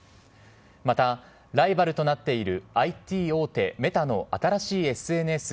また、ライバルとなっているＩＴ大手、メタの新しいＳＮＳ、